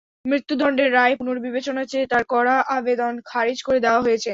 মৃত্যুদণ্ডের রায় পুনর্বিবেচনা চেয়ে তাঁর করা আবেদন খারিজ করে দেওয়া হয়েছে।